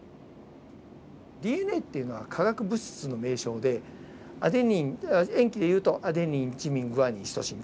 ＤＮＡっていうのは化学物質の名称で塩基でいうとアデニンチミングアニンシトシン